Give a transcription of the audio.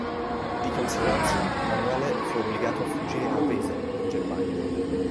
Di conseguenza, Emanuele fu obbligato a fuggire a Wesel in Germania.